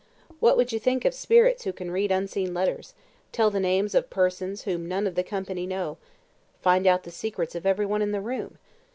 "What would you think of spirits who can read unseen letters tell the names of persons whom none of the company knew find out the secrets of every one in the room?